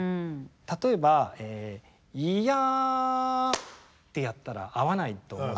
例えば「イヤ」ってやったら合わないと思います。